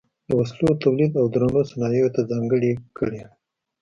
د وسلو تولید او درنو صنایعو ته ځانګړې کړې.